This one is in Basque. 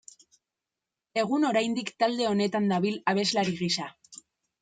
Egun oraindik talde honetan dabil abeslari gisa.